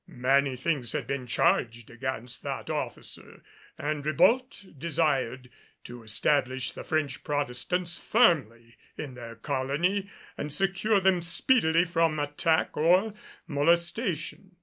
Many things had been charged against that officer and Ribault desired to establish the French Protestants firmly in their colony, and secure them speedily from attack or molestation.